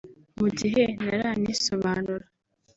Mu gihe ntaranisobanura